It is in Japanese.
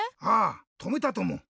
ああとめたとも。